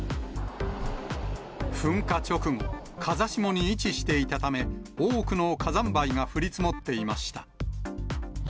噴火直後、風下に位置していたため、多くの火山灰が降り積もっていました。